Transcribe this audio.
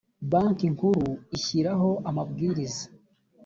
banki nkuru ishyiraho amabwiriza